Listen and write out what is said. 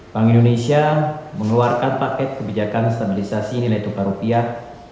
bank indonesia mengeluarkan paket kebijakan stabilisasi nilai tukar rupiah